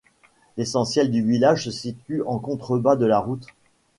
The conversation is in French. L'essentiel du village se situe en contrebas de la route.